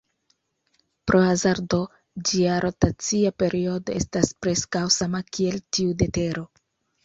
Pro hazardo, ĝia rotacia periodo estas preskaŭ sama kiel tiu de Tero.